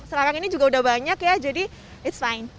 sekarang ini juga udah banyak ya jadi it s fine